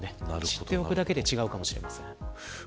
知っておくだけで違うかもしれません。